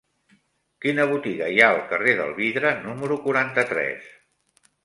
Quina botiga hi ha al carrer del Vidre número quaranta-tres?